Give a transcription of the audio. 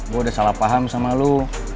gue udah salah paham sama lo